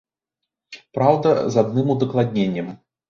Праўда, з адным удакладненнем.